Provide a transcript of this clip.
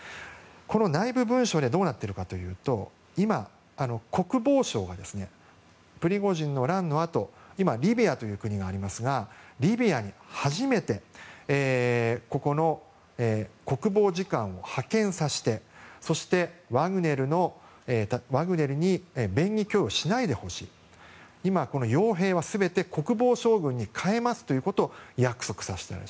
この内部文書でどうなっているかというと今、国防省がプリゴジンの乱のあとリビアという国がありますがリビアに初めて国防次官を派遣させてそして、ワグネルに便宜供与をしないでほしい今、傭兵は全て国防省軍に変えますということを約束させた。